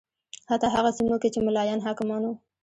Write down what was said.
حتی هغه سیمو کې چې ملایان حاکمان و